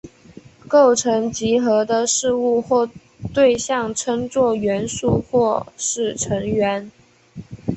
构成集合的事物或对象称作元素或是成员。